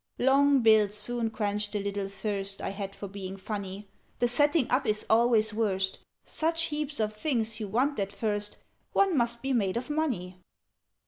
"Long bills soon quenched the little thirst I had for being funny. The setting up is always worst: Such heaps of things you want at first, One must be made of money!